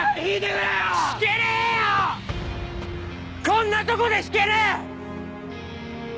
こんなとこで引けねえ！